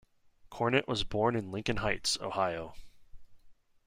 Cornett was born in Lincoln Heights, Ohio.